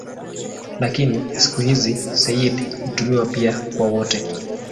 Lakini siku hizi "sayyid" hutumiwa pia kwa wote.